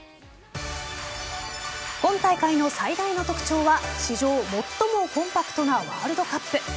今大会の最大の特徴は史上最もコンパクトなワールドカップ。